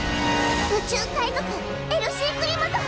宇宙海賊エルシー・クリムゾン！